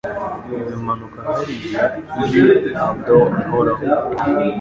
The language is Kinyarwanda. ibimanuka hariya iyi ardor ihoraho